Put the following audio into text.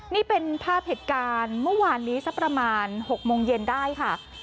นี่เป็นภาพเหตุการณ์เมื่อวานนี้สักประมาณ๖โมงเย็นได้ค่ะ